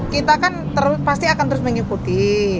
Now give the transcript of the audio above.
kita kan pasti akan terus mengikuti